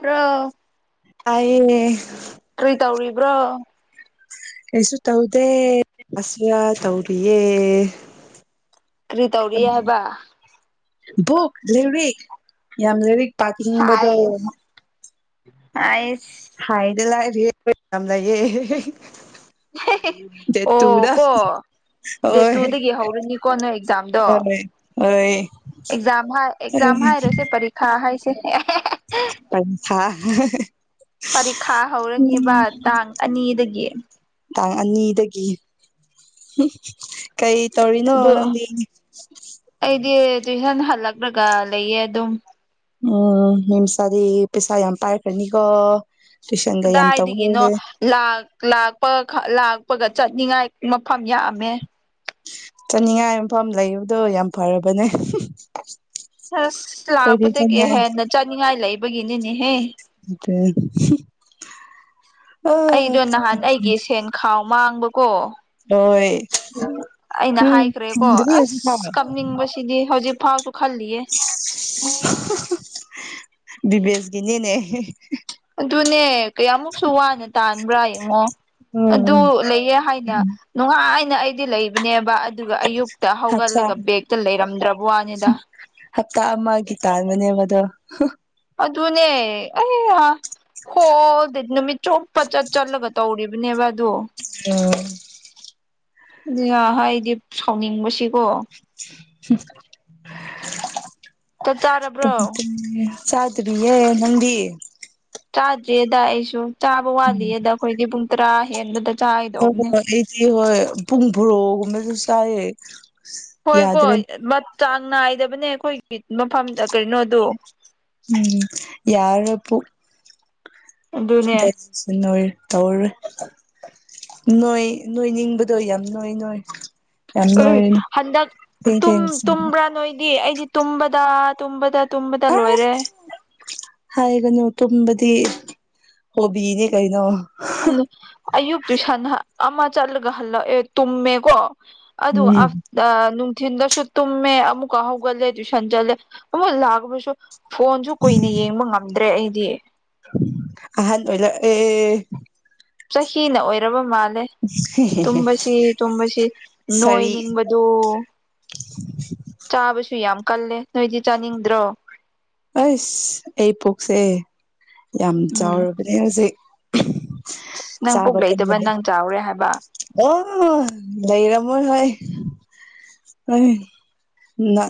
bro ꯇꯥꯏꯌꯦ ꯀꯔꯤ ꯇꯧꯔꯤꯕ꯭ꯔꯣ ꯀꯩꯁꯨ ꯇꯧꯗꯦ ꯑꯁꯤꯌꯥ ꯇꯧꯔꯤꯌꯦ ꯀꯔꯤ ꯇꯧꯔꯤ ꯍꯥꯏꯕ ꯕꯨꯛ ꯂꯩꯔꯤꯛ ꯌꯥꯝ ꯂꯩꯔꯤꯛ ꯍꯥꯏ ꯍꯥꯏꯁ ꯍꯥꯏꯗ ꯂꯥꯏꯔꯤ ꯌꯥꯝ ꯂꯩꯌꯦ ꯗꯦꯠ ꯑꯣ ꯇꯨꯗ ꯀꯣ ꯗꯦꯠ ꯍꯣꯏ ꯇꯨꯗꯒꯤ ꯍꯧꯔꯅꯤꯀꯣ ꯅꯣꯏ ꯑꯦꯛꯖꯥꯝꯗꯣ ꯍꯣꯏ ꯍꯣꯏ ꯑꯦꯛꯖꯥꯝ ꯍꯥꯏ ꯑꯦꯛꯖꯥꯝ ꯍꯥꯏꯔꯣꯏꯁꯦ ꯄꯔꯤꯈꯥ ꯍꯥꯏꯁꯦ ꯄꯟꯊꯥ ꯄꯔꯤꯈꯥ ꯍꯧꯔꯅꯤꯕ ꯇꯥꯡ ꯑꯅꯤꯗꯒꯤ ꯇꯥꯡ ꯑꯅꯤꯗꯒꯤ ꯀꯩ ꯇꯧꯔꯤꯅꯣ ꯑꯗꯨ ꯅꯪꯗꯤ ꯑꯩꯗꯤ ꯇꯨꯏꯁꯟ ꯍꯜꯂꯛꯂꯒ ꯂꯩꯌꯦ ꯑꯗꯨꯝ ꯎꯝ ꯃꯤꯃꯆꯥꯥꯗꯤ ꯄꯩꯁꯥ ꯌꯥꯝ ꯄꯥꯏꯈ꯭ꯔꯅꯤꯀꯣ ꯇꯨꯏꯁꯟꯒ ꯌꯥꯝ ꯀꯗꯥꯏꯗꯒꯤꯅꯣ ꯇꯧꯗꯣꯔꯦ ꯂꯥꯛ ꯂꯥꯛꯄ ꯂꯥꯛꯄꯒ ꯆꯠꯅꯤꯡꯉꯥꯏ ꯃꯐꯝ ꯌꯥꯝꯃꯦ ꯆꯥꯅꯤꯡꯉꯥꯏ ꯃꯐꯝ ꯂꯩꯕꯗꯣ ꯌꯥꯝ ꯐꯔꯕꯅꯦ ꯑꯁ ꯑꯩꯈꯣꯏꯗꯤ ꯂꯥꯛꯄꯗꯒꯤ ꯆꯠꯅꯤꯡꯉꯥꯏ ꯍꯦꯟꯅ ꯆꯠꯅꯤꯡꯉꯥꯏ ꯂꯩꯕꯒꯤꯅꯤꯅꯦꯍꯦ [unintelligible] ꯑ ꯑꯩꯗꯣ ꯅꯍꯥꯟ ꯑꯩꯒꯤ ꯁꯦꯟ ꯈꯥꯎ ꯃꯥꯡꯕꯀꯣ ꯍꯣꯏ ꯑꯩꯅ ꯎꯝ ꯍꯥꯏꯈ꯭ꯔꯦꯀꯣ ꯊꯝꯗ꯭ꯔꯤ ꯑꯁ ꯍꯧꯖꯤꯛꯐꯥꯎ ꯀꯝꯅꯤꯡꯕꯁꯤꯗꯤ ꯍꯧꯖꯤꯛ ꯐꯥꯎꯁꯨ ꯈꯜꯂꯤꯌꯦ ꯕꯤꯕꯦꯁꯒꯤꯅꯤꯅꯦ ꯑꯗꯨꯅꯦ ꯀꯌꯥꯝꯃꯨꯛꯁꯨ ꯋꯥꯅ ꯇꯥꯟꯕ꯭ꯔꯥ ꯌꯦꯡꯉꯣ ꯑꯗꯨ ꯎꯝ ꯂꯩꯌꯦ ꯍꯥꯏꯅ ꯅꯨꯡꯉꯥꯏꯅ ꯑꯩꯗꯤ ꯂꯩꯕꯅꯦꯕ ꯑꯗꯨꯒ ꯑꯌꯨꯛꯇ ꯍꯞꯇꯥ ꯍꯧꯒꯠꯂꯒ ꯕꯦꯛꯇ ꯂꯩꯔꯝꯗ꯭ꯔꯕ ꯋꯥꯅꯤꯗ ꯍꯞꯇꯥ ꯑꯃꯒꯤ ꯇꯥꯟꯕꯅꯦꯕ ꯑꯗꯣ ꯑꯗꯨꯅꯦ ꯑꯩ ꯍꯥ ꯍꯣꯜꯗꯦ ꯅꯨꯃꯤꯠ ꯆꯨꯞꯄ ꯆꯠ ꯆꯠꯂꯒ ꯇꯧꯔꯤꯕꯅꯦꯕ ꯑꯗꯣ ꯎꯝ [unintelligible] ꯍꯥꯏꯗꯤ ꯁꯥꯎꯅꯤꯡꯕꯁꯤꯀꯣ ꯆꯥꯛ ꯆꯥꯔꯕ꯭ꯔꯣ [unintelligible] ꯆꯥꯗ꯭ꯔꯤꯌꯦ ꯅꯪꯗꯤ ꯆꯥꯗ꯭ꯔꯤꯌꯦꯗ ꯑꯩꯁꯨ ꯆꯥꯕ ꯋꯥꯠꯂꯤꯌꯦꯗ ꯑꯩꯈꯣꯏꯗꯤ ꯄꯨꯡ ꯇꯔꯥ ꯍꯦꯟꯕꯗ ꯑ ꯍꯣꯏ ꯆꯥꯒꯗꯧꯕꯅꯦ ꯑꯩꯗꯤ ꯍꯣꯏ ꯄꯨꯡ ꯚ꯭ꯔꯣ ꯒꯨꯝꯕꯗꯁꯨ ꯆꯥꯏꯌꯦ ꯍꯣꯏ ꯀꯣ ꯌꯥꯗ꯭ꯔꯦ [unintelligible] ꯆꯥꯡ ꯅꯥꯏꯗꯕꯅꯦ ꯑꯩꯈꯣꯏꯒꯤ ꯃꯐꯝꯗ ꯀꯩꯅꯣꯗꯣ ꯎꯝ ꯌꯥꯔꯔꯣꯏ ꯄꯨꯛ ꯑꯗꯨꯅꯦ [unintelligible] ꯇꯧꯔꯦ ꯅꯣꯏ ꯅꯣꯏ ꯅꯤꯡꯕꯗꯣ ꯌꯥꯝ ꯅꯣꯏ ꯅꯣꯏ ꯌꯥꯝ ꯑꯩ ꯅꯣꯏꯔꯅꯤ ꯍꯟꯗꯛ ꯊꯦꯡ ꯇꯨꯝ ꯊꯦꯡꯅ ꯆꯥꯕ ꯇꯨꯝꯕ꯭ꯔꯥ ꯅꯣꯏꯗꯤ ꯑꯩꯗꯤ ꯇꯨꯝꯕꯗ ꯇꯨꯝꯕꯗ ꯇꯨꯝꯕꯗ ꯂꯣꯏꯔꯦ ꯑꯁ ꯍꯥꯏꯒꯅꯨ ꯇꯨꯝꯕꯗꯤ ꯍꯣꯕꯤꯅꯤ ꯀꯩꯅꯣ ꯑꯗꯨ ꯑꯌꯨꯛꯀꯤ ꯁꯟꯅ ꯑꯃ ꯆꯠꯂꯒ ꯍꯜꯂꯛ ꯑꯦ ꯇꯨꯝꯃꯦꯀꯣ ꯑꯗꯨ ꯎꯝ ꯑꯐ ꯑ ꯅꯨꯡꯊꯤꯟꯗꯁꯨ ꯇꯨꯝꯃꯦ ꯑꯃꯨꯛꯀ ꯍꯧꯒꯠꯂꯦ ꯇ꯭ꯨꯏꯁꯟ ꯆꯠꯂꯦ ꯑꯃꯨꯛ ꯂꯥꯛꯕꯁꯨ ꯐꯣꯟꯁꯨ ꯀꯨꯏꯅ ꯌꯦꯡꯕ ꯉꯝꯗ꯭ꯔꯦ ꯑꯩꯗꯤ ꯑꯍꯟ ꯑꯣꯏꯔꯛ ꯑꯦ ꯆꯍꯤꯅ ꯑꯣꯏꯔꯕ ꯃꯥꯜꯂꯦ ꯇꯨꯝꯕꯁꯤ ꯇꯨꯝꯕꯁꯤ ꯁꯥꯔꯤ ꯅꯣꯏꯅꯤꯡꯕ ꯑꯗꯨ ꯆꯥꯕꯁꯨ ꯌꯥꯝ ꯀꯜꯂꯦ ꯅꯣꯏꯗꯤ ꯆꯥꯅꯤꯡꯗ꯭ꯔꯣ ꯑꯁ ꯑꯩ ꯄꯨꯛꯁꯦ ꯌꯥꯝ ꯎꯝ ꯆꯥꯎꯔꯕꯅꯦ ꯍꯧꯖꯤꯛ ꯑꯁ ꯅꯪ ꯄꯨꯛ ꯆꯥꯕ ꯂꯩꯇꯕ ꯀꯟꯕꯅꯦ ꯅꯪ ꯆꯥꯎꯔꯦ ꯍꯥꯏꯕ ꯑꯣ ꯂꯩꯩꯔꯝꯃꯣꯏ ꯍꯣꯏ ꯑ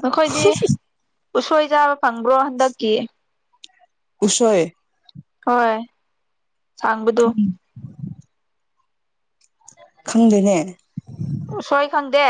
ꯅꯈꯣꯏꯗꯤ ꯎꯁꯣꯏ ꯆꯥꯕ ꯐꯪꯕ꯭ꯔꯣ ꯍꯟꯗꯛꯀꯤ ꯎꯁꯣꯏ ꯍꯣꯏ ꯁꯥꯡꯕꯗꯨ ꯈꯪꯗꯦꯅꯦ ꯎꯁꯣꯏ ꯈꯪꯗꯦ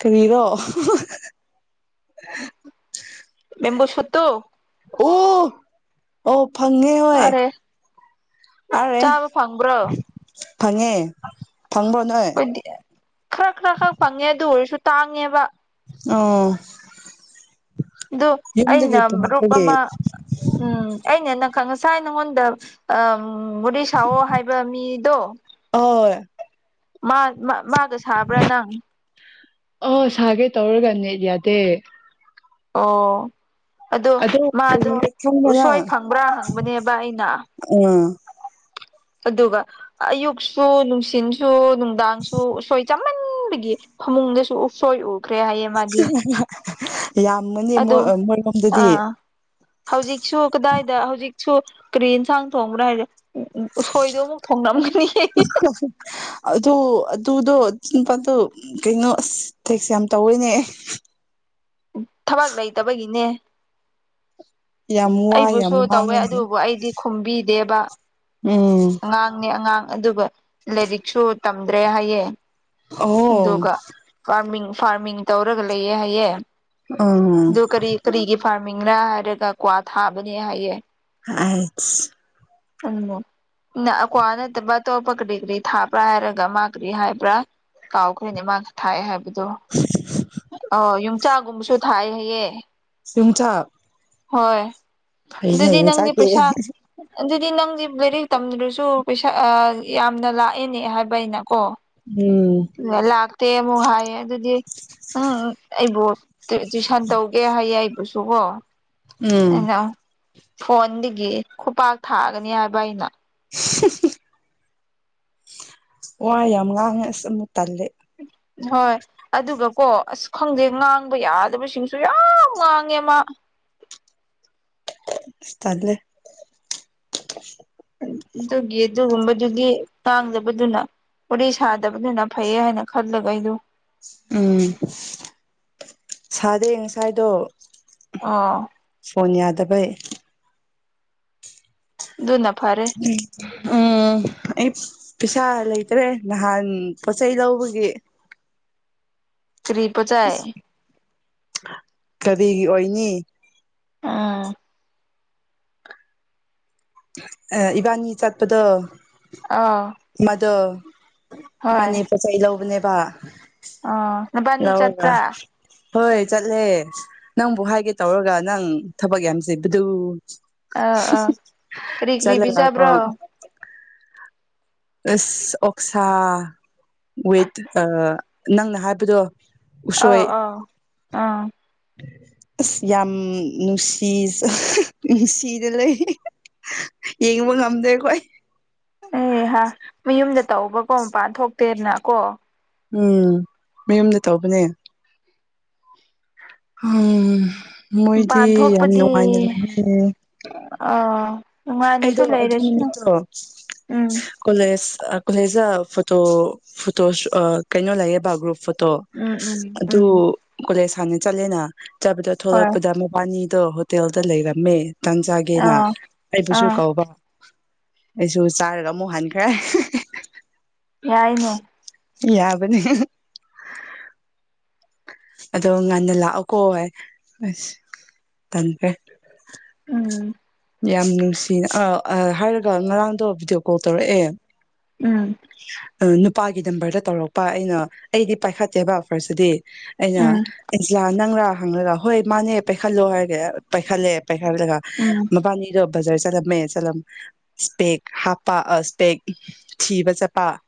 ꯀꯔꯤꯔꯣ ꯕꯦꯝꯕꯨ ꯁꯨꯠꯇꯨ ꯎ ꯑꯣ ꯐꯪꯉꯦ ꯍꯣꯏ ꯑꯔꯦ ꯑꯔꯦ ꯆꯥꯕ ꯐꯪꯕ꯭ꯔꯣ ꯐꯪꯉꯦ ꯐꯪꯕ꯭ꯔꯣ ꯅꯣꯏ ꯑꯩꯈꯣꯏꯗꯤ ꯈꯔ ꯈꯔ ꯈꯔ ꯐꯪꯉꯦ ꯑꯗꯨ ꯑꯣꯏꯔꯁꯨ ꯇꯥꯡꯉꯦꯕ ꯑꯣ ꯑꯗꯨ ꯌꯨꯝꯗꯒꯤ ꯑꯩꯅ ꯃꯔꯨꯞ ꯄꯨꯔꯛꯄꯒꯤ ꯑꯃ ꯎꯝ ꯑꯅꯦ ꯅꯪ ꯉꯁꯥꯏ ꯅꯪꯉꯣꯟꯗ ꯎ ꯕꯣꯔꯤ ꯁꯥꯑꯣ ꯍꯥꯏꯕ ꯃꯤꯗꯣ ꯍ‌ꯣꯏ ꯃꯥꯒ ꯁꯥꯕ꯭ꯔꯥ ꯅꯪ ꯑ‌ꯣ ꯁꯥꯒꯦ ꯇꯧꯔꯒ ꯅ‌ꯦꯠ ꯌꯥꯗꯦ ꯑꯣ ꯑꯗꯣ ꯀꯔꯤ ꯈꯪꯕ꯭ꯔ ꯃꯥꯗꯣꯁꯣꯏ ꯐꯪꯕ꯭ꯔꯥ ꯍꯪꯕꯅꯦꯕ ꯑꯩꯅ ꯎꯝ ꯑꯗꯨꯒ ꯑꯌꯨꯛꯁꯨ ꯅꯨꯡꯁꯤꯠꯁꯨ ꯅꯨꯡꯗꯥꯡꯁꯨ ꯎꯁꯣꯏ ꯆꯃꯟꯕꯒꯤ ꯐꯃꯨꯡꯗꯁꯨ ꯎꯁꯣꯏ ꯎ ꯌꯥꯝꯃꯅꯤ ꯑꯗꯨ ꯃꯣꯏꯔꯣꯝꯗꯗꯤ ꯑꯥ ꯍꯧꯖꯤꯛꯁꯨ ꯀꯗꯥꯏꯗ ꯍꯧꯖꯤꯛꯁꯨ ꯀꯔꯤ ꯌꯦꯟꯁꯥꯡ ꯊꯣꯡꯕ꯭ꯔꯥ ꯍꯥꯏꯔꯦ ꯎ ꯎꯁꯣꯏꯗꯣ ꯑꯃꯨꯛ ꯊꯣꯡꯂꯝꯝꯒꯅꯤ ꯑꯗꯨ ꯑꯗꯨꯗꯣ ꯅꯨꯄꯥꯗꯣ ꯀꯩꯅꯣ ꯑꯁ ꯊꯦꯛꯁꯦ ꯌꯥꯝ ꯇꯧꯋꯦꯅꯦ ꯊꯕꯛ ꯂꯩꯇꯕꯒꯤꯅꯦ ꯌꯥꯝ ꯋꯥꯏ ꯑꯩꯕꯨꯁꯨ ꯌꯥꯝ ꯇꯧꯋꯦ ꯋꯥꯡꯉꯦꯅꯦ ꯑꯗꯨꯕꯨ ꯑꯩꯗꯤ ꯈꯨꯝꯕꯤꯗꯦꯕ ꯎꯝ ꯑꯉꯥꯡꯅꯦ ꯑꯉꯥꯡ ꯑꯗꯨꯒ ꯂꯥꯏꯔꯤꯛꯁꯨ ꯇꯝꯗ꯭ꯔꯦ ꯍꯥꯏꯌꯦ ꯑꯣ ꯑꯗꯨꯒ ꯐꯥꯔꯃꯤꯡ ꯐꯥꯔꯃꯤꯡ ꯇꯧꯔꯒ ꯂꯩꯌꯦ ꯍꯥꯏꯌꯦ ꯎꯝ ꯑꯗꯨ ꯀꯔꯤ ꯀꯔꯤꯒꯤ ꯐꯥꯔꯃꯤꯡꯅ ꯍꯥꯏꯔꯒ ꯀ꯭ꯋꯥ ꯊꯥꯕꯅꯦ ꯍꯥꯏꯌꯦ ꯑꯥꯏꯁ ꯎꯝ ꯀ꯭ꯋꯥ ꯅꯠꯇꯕ ꯑꯇꯣꯞꯄ ꯀꯔꯤ ꯀꯔꯤ ꯊꯥꯕ꯭ꯔꯥ ꯍꯥꯏꯔꯒ ꯃꯥ ꯀꯔꯤ ꯍꯥꯏꯕ꯭ꯔꯥ ꯀꯥꯎꯈ꯭ꯔꯦꯅꯦ ꯃꯥ ꯊꯥꯛꯑꯦ ꯍꯥꯏꯕꯗꯣ ꯑ ꯌꯣꯡꯆꯥꯛꯒꯨꯝꯕꯁꯨ ꯊꯥꯏ ꯍꯌꯦ ꯌ‌ꯣꯡꯆꯥꯛ ꯍꯣꯏ ꯑꯗꯨꯗꯤ ꯅꯪꯒꯤ ꯌꯣꯡꯆꯥꯛꯇꯤ ꯄꯩꯁꯥ ꯑꯗꯨꯗꯤ ꯅꯪꯗꯤ ꯂꯥꯏꯔꯤꯛ ꯇꯝꯗ꯭ꯔꯁꯨ ꯄꯩꯁꯥ ꯌꯥꯝꯅ ꯂꯥꯛꯑꯦꯅꯦ ꯍꯥꯏꯕ ꯑꯩꯅꯀꯣ ꯎꯝ ꯂꯥꯛꯇꯦ ꯑꯃꯨꯛ ꯍꯥꯏꯌꯦ ꯑꯗꯨꯗꯤ ꯎꯝ ꯑꯩꯕꯨ ꯇꯨꯏꯁꯟ ꯇꯧꯒꯦ ꯍꯥꯏꯌꯦ ꯑꯩꯕꯨꯁꯨ ꯀꯣ ꯎꯝ ꯑꯩꯅ ꯐꯣꯟꯗꯒꯤ ꯈꯨꯄꯥꯛꯥꯛ ꯊꯥꯛꯑꯒꯅꯤ ꯍꯥꯏꯕ ꯑꯩꯅ [unintelligible] ꯋꯥꯏ ꯌꯥꯝ ꯉꯥꯡꯉꯦ ꯑꯁ ꯑꯃꯨꯛ ꯇꯜꯂꯦ ꯍꯣꯏ ꯑꯗꯨꯒ ꯀꯣ ꯑꯁ ꯈꯪꯗꯦ ꯉꯥꯡꯕ ꯌꯥꯗꯕꯁꯤꯡꯁꯨ ꯌꯥꯝ ꯉꯥꯡꯉꯦ ꯃꯥ ꯇꯜꯂ‌ꯦ ꯑꯗꯨꯒꯤ ꯑꯗꯨꯒꯨꯝꯕꯗꯨꯒꯤ ꯇꯥꯡꯗꯕꯗꯨꯅ ꯎꯔꯤ ꯁꯥꯗꯕꯗꯨꯅ ꯐꯩ ꯍꯥꯏꯅ ꯈꯜꯂꯒ ꯑꯩꯗꯨ ꯎꯝ ꯁꯥꯗꯦ ꯉꯁꯥꯏꯗꯣ ꯑꯥ ꯐ‌ꯣꯟ ꯌꯥꯗꯕꯩ ꯑꯗꯨꯅ ꯐꯥꯔꯦ ꯎꯝ ꯑꯩ ꯄꯩꯁꯥ ꯂꯩꯇ꯭ꯔꯦ ꯅꯍꯥꯟ ꯄꯣꯠꯆꯩ ꯂꯧꯕꯒꯤ ꯀꯔꯤ ꯄꯣꯠꯆꯩ ꯀꯔꯤꯒꯤ ꯑꯣꯏꯅꯤ ꯑꯥ ꯑꯥ ꯏꯕꯥꯅꯤ ꯆꯠꯄꯗꯣ ꯑꯥ ꯃꯗꯣ ꯄꯅꯤ ꯄꯣꯠ ꯆꯩ ꯂꯧꯕꯅꯦꯕ ꯑꯣ ꯅꯕꯥꯅꯤ ꯂꯧꯔꯒ ꯆꯠꯄ꯭ꯔꯥ ꯍꯣꯏ ꯆꯠꯂꯦ ꯅꯪꯕꯨ ꯍꯥꯏꯒꯦ ꯇꯧꯔꯒ ꯅꯪ ꯊꯕꯛ ꯌꯥꯝꯁꯤꯕꯗꯨꯕꯨ ꯑꯥ ꯑꯥ ꯀꯔꯤ ꯀꯔꯤ ꯀꯣ ꯄꯤꯖꯕ꯭ꯔꯣ ꯑꯁ ꯑꯣꯛꯁꯥ ꯋꯤꯠ ꯑꯥ ꯅꯪꯅ ꯍꯥꯏꯕꯗꯣ ꯑꯥꯎ ꯎꯁꯣꯏ ꯑꯥꯎ ꯑꯥ ꯑꯁ ꯌꯥꯝ ꯅꯨꯡꯁꯤ ꯅꯨꯡꯁꯤꯗ ꯂꯩ ꯌꯦꯡꯕ ꯉꯝꯗꯦꯈꯣꯏ ꯑꯦꯍ ꯃꯌꯨꯝꯗ ꯇꯧꯕꯀꯣ ꯃꯄꯥꯟ ꯊꯣꯛꯇꯦꯗꯅ ꯀꯣ ꯎꯝ ꯃꯌꯨꯝꯗ ꯇꯧꯕꯅꯦ ꯍꯣꯏ ꯃꯣꯏꯗꯤ ꯃꯄꯥꯟ ꯌꯥꯝ ꯊꯣꯛꯄꯗꯤ ꯅꯨꯡꯉꯥꯏꯅ [unintelligible] ꯑꯥ ꯅꯨꯡꯉꯥꯏꯅꯁꯨ ꯑꯩꯗꯣ ꯂꯩꯔꯁꯨ ꯎꯝ ꯀꯣꯂꯦꯁ ꯑꯥ ꯀꯣꯂꯦꯁ ꯐꯣꯇꯣ ꯐꯣꯇꯣ ꯑꯥ ꯀꯩꯅꯣ ꯂꯩꯌꯦꯕ ꯒ꯭ꯔꯨꯞ ꯐꯇꯣ ꯇꯣ ꯎꯝ ꯎꯝ ꯑꯗꯨ ꯎꯝ ꯀꯣꯂꯦꯖ ꯍꯥꯡꯅ ꯆꯠꯂꯦꯅ ꯆꯠꯄꯗ ꯍꯣꯏ ꯊꯣꯂꯛꯄꯗ ꯃꯕꯥꯅꯤꯗꯣ ꯍꯣꯇꯦꯜꯗ ꯂꯩꯔꯝꯃꯦ ꯇꯟꯖꯒꯦꯅ ꯑꯥ ꯑꯩꯕꯨꯁꯨ ꯑꯥ ꯀꯧꯕ ꯑꯩꯁꯨ ꯆꯥꯔꯒ ꯑꯃꯨꯛ ꯍꯟꯈ꯭ꯔꯦ ꯌꯥꯏꯅꯦ ꯌꯥꯕꯅꯤ ꯑꯗꯣ ꯉꯟꯅ ꯂꯥꯛꯑꯣꯀꯣ ꯍꯥꯏ ꯑꯁ ꯊꯟꯈ꯭ꯔꯦ ꯎꯝ ꯌꯥꯝ ꯅꯨꯡꯁꯤꯅ ꯑꯥ ꯑꯥ ꯍꯥꯏꯔꯒ ꯉꯔꯥꯡꯗꯣ ꯕꯤꯗꯤꯑꯣ ꯀꯣꯜ ꯇꯧꯔꯛꯑꯦ ꯎꯝ ꯅꯨꯄꯥꯒꯤ ꯗꯝꯕꯔꯗ ꯇꯧꯔꯛꯄ ꯑꯩꯅ ꯑꯩꯗꯤ ꯄꯥꯏꯈꯠꯇꯦꯕ ꯐꯔꯁꯗꯗꯤ ꯑꯩꯅ ꯎꯝ ꯏꯟꯁꯂꯥ ꯅꯪꯂꯔꯥ ꯍꯪꯂꯪꯂꯒ ꯍꯣꯏ ꯃꯥꯅꯦ ꯄꯥꯏꯈꯠꯂꯣ ꯍꯥꯏꯔꯒꯦ ꯄꯥꯏꯈꯠꯂꯦ ꯄꯩꯏꯈꯥꯂꯒꯥ ꯎꯝ ꯃꯕꯥꯅꯤꯗꯣ ꯕꯖꯥꯔ ꯆꯠꯂꯝꯃꯦ ꯆꯠꯂꯝ ꯏꯁꯄꯦꯛ ꯍꯥꯞꯄ ꯏꯁꯄꯦꯛ ꯊꯤꯕ ꯆꯠꯄ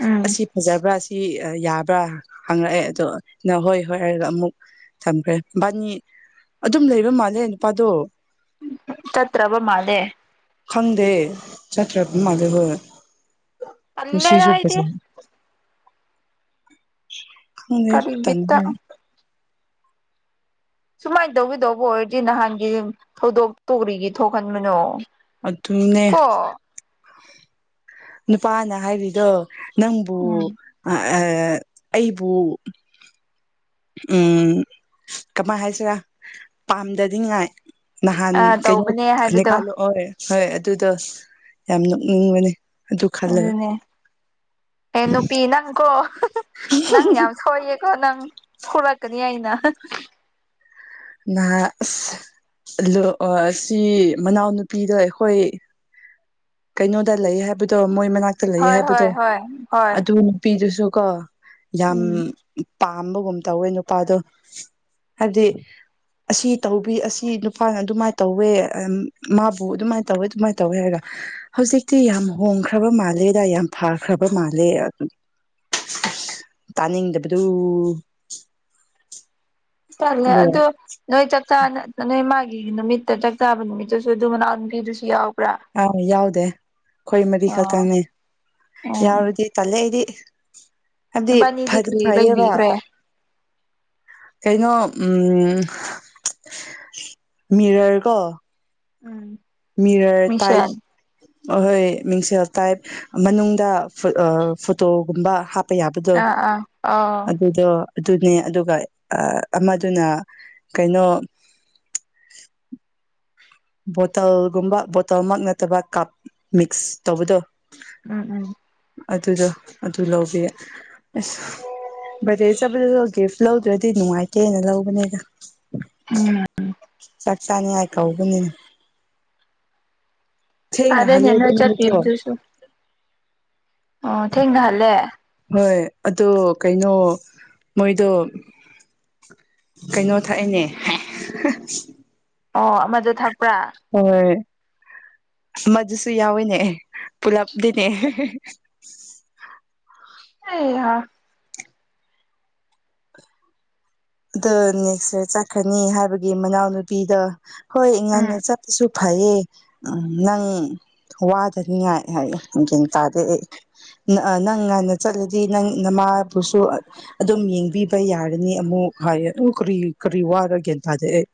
ꯎꯝ ꯑꯁꯤ ꯐꯖꯕ꯭ꯔꯥ ꯑꯁꯤ ꯁꯤ ꯌꯥꯕ꯭ꯔꯥ ꯍꯪꯉꯛꯑꯦ ꯑꯗꯣ ꯅꯍꯣꯏ ꯍꯣꯏ ꯍꯥꯏꯔꯒ ꯑꯃꯨꯛ ꯊꯝꯈ꯭ꯔꯦ ꯕꯥꯅꯤ ꯑꯗꯨꯝ ꯂꯩꯕ ꯃꯥꯜꯂꯦ ꯅꯨꯄꯥꯗꯣ ꯆꯠ ꯇ꯭ꯔꯕ ꯃꯥꯜꯂꯦ ꯈꯪꯗꯦ ꯆꯇ꯭ꯔꯕ ꯃꯜꯂꯦ ꯍꯣꯏ ꯇꯥꯜꯂꯦꯗꯥ ꯅꯨꯡꯁꯤꯁꯨ ꯑꯩꯗꯤ ꯐꯖꯅ ꯈꯪꯗꯦ ꯑꯩꯁꯨ ꯀꯔꯤ ꯕꯤꯠꯇ ꯇꯟꯈ꯭ꯔꯦ ꯁꯨꯃꯥꯏꯅ ꯇꯧꯒꯗꯧꯕ ꯑꯣꯏꯔꯗꯤ ꯅꯍꯥꯟꯒꯤ ꯊꯧꯗꯣꯛꯇꯨꯔꯤꯒꯤ ꯊꯣꯛꯍꯟꯕꯅꯣ ꯑꯗꯨꯅꯦ ꯀꯣ ꯅꯨꯄꯥꯅ ꯍꯥꯏꯔꯤꯗꯣ ꯅꯪꯕꯨ ꯎꯝ ꯑꯥ ꯑꯩꯕꯨ ꯎꯝ ꯀꯃꯥꯏ ꯍꯥꯏꯁꯤꯔꯥ ꯄꯥꯝꯗꯗꯤꯉꯥꯏ ꯅꯍꯥꯟ ꯑꯥ ꯀꯩꯅꯣ ꯇꯧꯕꯅꯦ ꯍꯥꯏꯕꯗꯣ ꯅꯩꯀꯟꯅꯥꯑꯣ ꯍꯣꯏ ꯑꯗꯨꯗꯣ ꯌꯥꯝ ꯅꯣꯛꯅꯤꯡꯕꯅꯤ ꯑꯗꯨꯅꯦ ꯑꯦ ꯅꯨꯄꯤ ꯅꯪꯀꯣ ꯅꯪ ꯌꯥꯝ ꯁꯣꯏꯌꯦ ꯀ ꯅꯪ ꯐꯔꯛꯀꯅꯤ ꯑꯩꯅ ꯅꯍꯥ ꯑꯁ ꯑꯂꯨ ꯑꯁꯤ ꯃꯅꯥꯎꯅꯨꯄꯤꯗꯣ ꯑꯩꯈꯣꯏ ꯀꯩꯅꯣꯗ ꯂꯩ ꯍꯥꯏꯕꯗꯣ ꯃꯣꯏ ꯃꯅꯥꯛꯇ ꯂꯩ ꯍꯣꯏ ꯍꯥꯏꯕꯗꯣ ꯍꯣꯏ ꯍꯣꯏ ꯍꯣꯏ ꯑꯗꯨꯅꯤ ꯅꯨꯄꯤꯗꯨꯁꯨ ꯀꯣ ꯌꯥꯝ ꯎꯝ ꯄꯥꯝꯕꯒꯨꯝ ꯇꯧꯋꯦ ꯅꯨꯄꯥꯗꯣ ꯑꯗꯤ ꯑꯁꯤ ꯇꯧꯕꯤ ꯑꯁꯤ ꯅꯨꯄꯥꯅ ꯑꯗꯨꯃꯥꯏꯅ ꯇꯧꯋꯦ ꯑꯝ ꯃꯥꯕꯨ ꯑꯗꯨꯃꯥꯢ ꯇꯧꯋꯦ ꯑꯗꯨꯃꯥꯢ ꯇꯧꯋꯦ ꯍꯥꯏꯔꯒ ꯍꯧꯖꯤꯛꯇꯤ ꯌꯥꯝ ꯍꯣꯡꯈ꯭ꯔꯕ ꯃꯥꯜꯂꯦꯗ ꯌꯥꯝ ꯐꯈ꯭ꯔꯕ ꯃꯥꯜꯂꯦ ꯑꯗꯨ ꯇꯥꯅꯤꯡꯗꯕꯗꯨ ꯇꯂꯦ ꯑꯗꯨꯒ ꯑꯗꯨ ꯅꯣꯏ ꯆꯥꯛ ꯆꯥ ꯅ ꯅꯅꯦ ꯃꯥꯒꯤ ꯅꯨꯃꯤꯠꯇ ꯆꯥꯛ ꯆꯥꯕ ꯅꯨꯃꯤꯠꯇꯁꯨ ꯑꯗꯨ ꯃꯅꯥꯎ ꯅꯨꯄꯤꯗꯨꯁꯨ ꯌꯥꯎ ꯑꯥ ꯌꯥꯎꯗꯦ ꯈꯣꯏ ꯃꯔꯤ ꯑꯥ ꯈꯛꯇꯪꯅꯦ ꯎꯝ ꯌꯥꯎꯔꯗꯤ ꯇꯜꯂꯦ ꯑꯩꯗꯤ ꯍꯥꯏꯕꯗꯤ ꯅꯕꯥꯅꯤꯗꯤ ꯐꯗꯤ ꯀꯔꯤ ꯐꯩꯌꯦꯕ ꯂꯩꯕꯤꯈ꯭ꯔꯦ ꯀꯩꯅꯣ ꯎꯝ ꯃꯤꯔꯔ ꯀꯣ ꯃꯤꯔꯔ ꯇꯥꯏꯞ ꯃꯤꯡꯁꯦꯟ ꯑꯍꯣꯏ ꯃꯤꯡꯁꯦꯜ ꯇꯥꯏꯞ ꯃꯅꯨꯡꯗ ꯐꯣꯇꯣꯒꯨꯝꯕ ꯍꯥꯞ ꯍꯥꯞꯄ ꯌꯥꯕꯗꯣ ꯑꯥ ꯑꯥ ꯑꯥꯎ ꯑꯗꯨꯗꯣ ꯑꯗꯨꯅꯦ ꯑꯗꯨꯒ ꯑꯃꯗꯨꯅ ꯀꯩꯅꯣ ꯕꯣꯇꯜꯒꯨꯝꯕ ꯕꯣꯇꯜꯃꯛ ꯅꯠꯇꯕ ꯀꯞ ꯃꯤꯛꯁ ꯇꯧꯕꯗꯣ ꯎꯝ ꯎꯝ ꯑꯗꯨꯗꯣ ꯑꯗꯨ ꯂꯧꯕꯤꯌꯦ ꯑꯁ ꯕꯔꯗꯦ ꯆ ꯒꯤꯐ ꯂꯧꯗ꯭ꯔꯗꯤ ꯅꯨꯡꯉꯥꯏꯇꯦꯅ ꯂꯧꯕꯅꯦꯗ ꯎꯝ ꯆꯥꯛ ꯆꯥꯅꯤꯉꯥꯏ ꯀꯧꯒꯅꯤ ꯊꯦꯡꯅ ꯇꯗꯦ ꯍꯜꯂꯦ ꯅꯦꯅ ꯑꯗꯨ ꯅꯨꯃꯤꯠꯇꯣ ꯆꯠꯀꯤꯗꯨꯁꯨ ꯑꯣ ꯊꯦꯡꯅꯍꯜꯂꯦ ꯍꯣꯏ ꯑꯗꯣ ꯀꯩꯅꯣ ꯃꯣꯏꯗꯣ ꯀꯩꯅꯣ ꯊꯛꯏꯅꯦ ꯑꯣ ꯑꯃꯗꯨ ꯊꯛꯄ꯭ꯔꯥ ꯍꯣꯏ ꯑꯃꯗꯨꯁꯨ ꯌꯥꯎꯏꯅꯦ ꯄꯨꯂꯞꯗꯤꯅꯦ ꯑꯩꯍꯥ ꯑꯗꯣ ꯅꯦꯛꯁ ꯋꯤꯠ ꯆꯠꯈꯅꯤ ꯍꯥꯏꯕꯒꯤ ꯃꯅꯥꯎꯅꯨꯄꯤꯗꯣ ꯍꯣꯏ ꯎꯝ ꯉꯟꯅ ꯆꯠ ꯁꯨ ꯐꯩꯌꯦ ꯎ ꯅꯪ ꯋꯥꯗꯅꯤꯉꯥꯏ ꯍꯥꯏꯌꯦ ꯒꯌꯟ ꯇꯥꯗꯦ ꯑꯩ ꯅꯪ ꯉꯥꯟꯅ ꯆꯠꯂꯗꯤ ꯅꯪ ꯅꯃꯥꯕꯨꯁꯨ ꯑꯗꯨꯝ ꯌꯦꯡꯕꯤꯕ ꯌꯥꯔꯅꯤ ꯑꯃꯨꯛ ꯍꯥꯏ ꯑꯗꯨ ꯀꯔꯤ ꯀꯔꯤ ꯋꯥꯔ ꯒ꯭ꯌꯥꯟ ꯇꯥꯗꯦ ꯑꯩ